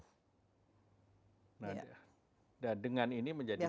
nah dengan ini menjadi